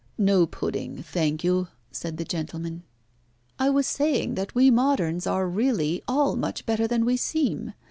No pudding, thank you," said that gentleman. "I was saying that we moderns are really all much better than we seem.